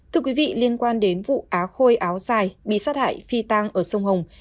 thưa quý vị liên quan đến vụ á khôi áo dài bị sát hại phi tang ở sông hồng